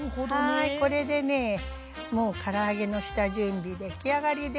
はいこれでねもうから揚げの下準備出来上がりです！